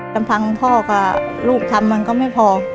ลำพังพ่อกับลูกทำมันก็ไม่พอ